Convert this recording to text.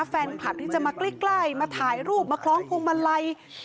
แฟนคลับที่จะมาใกล้มาถ่ายรูปมาคล้องพวงมาลัย